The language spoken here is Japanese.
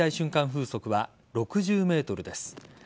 風速は６０メートルです。